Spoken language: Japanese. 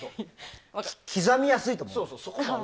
刻みやすいと思うんです。